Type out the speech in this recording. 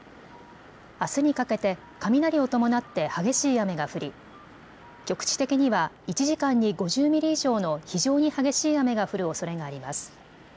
あすにかけて雷を伴って激しい雨が降り局地的には１時間に５０ミリ以上の非常に激しい雨が降るおそれがあります。